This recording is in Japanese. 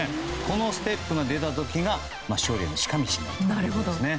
このステップが出た時が勝利への近道になるということです。